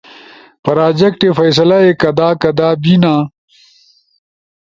پراجیکٹے فیصلہ ئی کدا کدا بینا؟